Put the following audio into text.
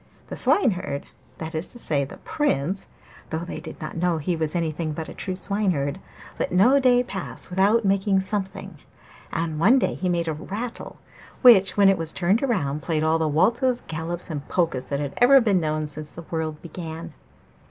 The Swineherd that is to say, the Prince (though they did not know he was anything but a true Swineherd) let no day pass without making something, and one day he made a rattle which, when it was turned round, played all the waltzes, galops, and polkas which had ever been known since the world began.